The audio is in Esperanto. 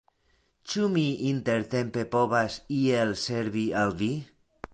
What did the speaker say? Ĉu mi intertempe povas iel servi al vi?